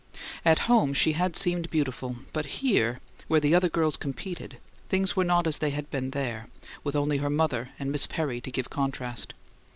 At home she had seemed beautiful; but here, where the other girls competed, things were not as they had been there, with only her mother and Miss Perry to give contrast.